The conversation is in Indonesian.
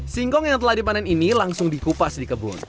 singkong yang telah dipanen ini langsung dikupas di kebun